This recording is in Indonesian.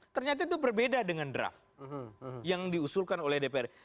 ternyata itu berbeda dengan draft yang diusulkan oleh dpr